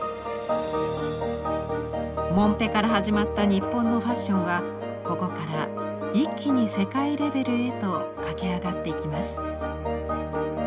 もんぺから始まった日本のファッションはここから一気に世界レベルへと駆け上がっていきます。